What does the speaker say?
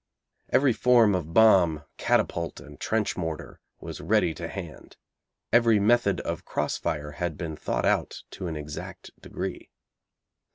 Every form of bomb, catapult, and trench mortar was ready to hand. Every method of cross fire had been thought out to an exact degree.